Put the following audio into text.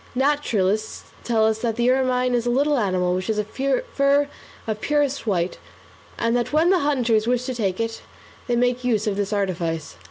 Naturalists tell us that the ermine is a little animal which has a fur of purest white, and that when the hunters wish to take it, they make use of this artifice.